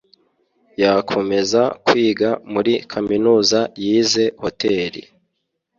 yakomeza kwiga muri Kaminuza yize Hotel